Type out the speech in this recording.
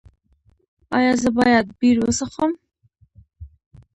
ایا زه باید بیر وڅښم؟